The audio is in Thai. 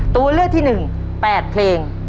ตัวเลือกที่๑๘เพลง